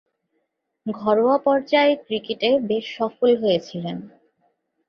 ঘরোয়া পর্যায়ের ক্রিকেটে বেশ সফল হয়েছিলেন।